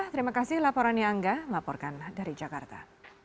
terima kasih laporan yang angga laporkan dari jakarta